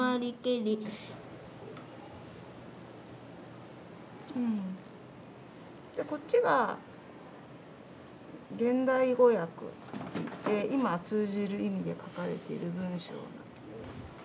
でこっちが現代語訳で今通じる意味で書かれている文章。